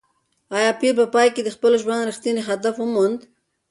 ایا پییر په پای کې د خپل ژوند رښتینی هدف وموند؟